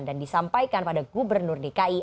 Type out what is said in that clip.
dan disampaikan pada gubernur dki